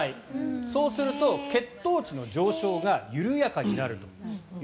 そうすると血糖値の上昇が緩やかになるという。